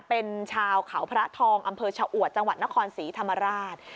เป็นชาวเขาพระทองอำเภอชะอวดจังหวัดนครศรีธรรมราช